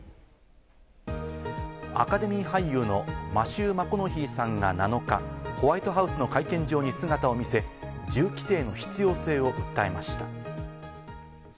アカデミー俳優のマシュー・マコノヒーさんが７日、ホワイトハウスの会見場に姿を見せ、銃規制の必要性を訴えました。